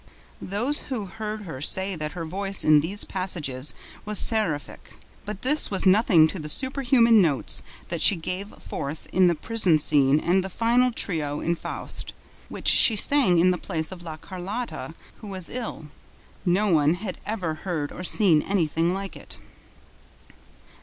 Those who heard her say that her voice, in these passages, was seraphic; but this was nothing to the superhuman notes that she gave forth in the prison scene and the final trio in FAUST, which she sang in the place of La Carlotta, who was ill. No one had ever heard or seen anything like it.